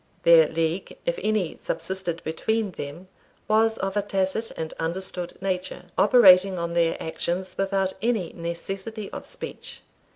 Their league, if any subsisted between them, was of a tacit and understood nature, operating on their actions without any necessity of speech.